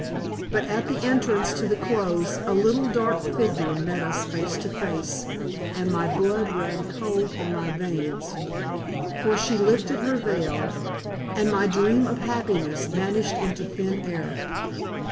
But at the entrance to the close a little dark figure met us face to face, and my blood ran cold in my veins, for she lifted her veil, and my dream of happiness vanished into thin air.